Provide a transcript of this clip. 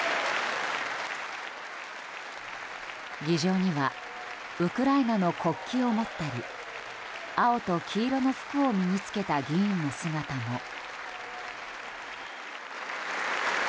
議場にはウクライナの国旗を持ったり青と黄色の服を身に着けた議員の姿も。